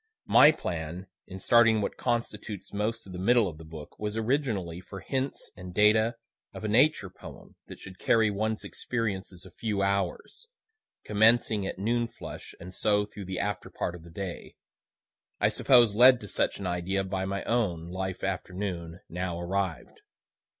My plan in starting what constitutes most of the middle of the book, was originally for hints and data of a Nature poem that should carry one's experiences a few hours, commencing at noon flush, and so through the after part of the day I suppose led to such idea by my own life afternoon now arrived.